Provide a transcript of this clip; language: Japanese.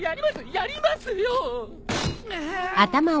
やりますよ！